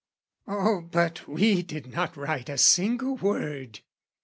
"Oh, but we did not write a single word!